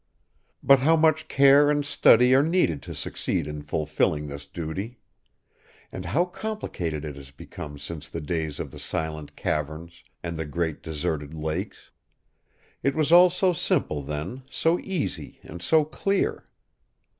But how much care and study are needed to succeed in fulfilling this duty! And how complicated it has become since the days of the silent caverns and the great deserted lakes! It was all so simple, then, so easy and so clear.